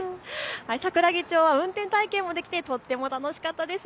桜木町は運転体験もできてとっても楽しかったです。